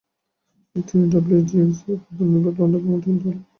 তিনি W. G. গ্রেসের অধিনায়কত্বে লন্ডন কাউন্টি দলের পক্ষে খেলেন।